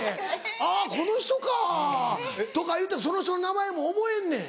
「あぁこの人か！」とかいうてその人の名前も覚えんねん。